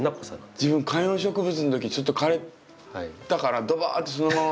自分観葉植物の時ちょっと枯れたからどばってそのまま。